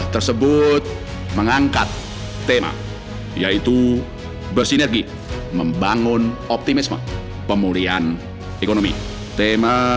tersebut mengangkat tema yaitu bersinergi membangun optimisme pemulihan ekonomi tema